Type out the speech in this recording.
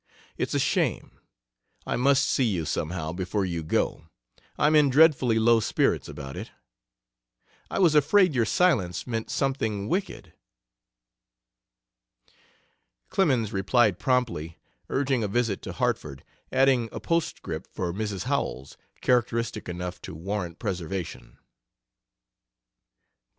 It's a shame. I must see you, somehow, before you go. I'm in dreadfully low spirits about it. "I was afraid your silence meant something wicked." Clemens replied promptly, urging a visit to Hartford, adding a postscript for Mrs. Howells, characteristic enough to warrant preservation.